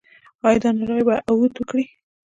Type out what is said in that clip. ایا دا ناروغي به بیا عود وکړي؟